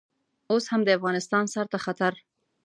اوس هم د افغانستان سر ته خطر.